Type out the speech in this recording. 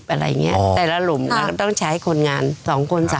๑๐๒๐อะไรยังไงแต่ละหลุมเราก็ต้องใช้คนงาน๒คน๓คน